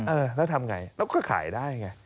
เออแล้วทำไงเราก็ขายได้ไง